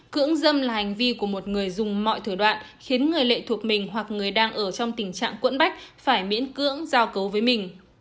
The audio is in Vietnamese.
cưỡng dâm là hành vi của một người dùng mọi thử đoạn khiến người lệ thuộc mình hoặc người đang ở trong tình trạng quẫn bách phải miễn cưỡng giao cấu với mình